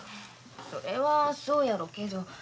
それはそうやろけど。